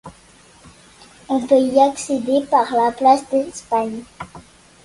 On peut y accéder par la place d'Espagne.